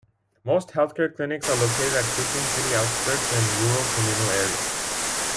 Most healthcare clinics are located at Kuching city outskirts and rural communal areas.